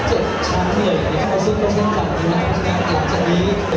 เจ็ดชั้นอย่างนี้ครับซึ่งก็เซ็นต์การดูแลพวกเราที่นี่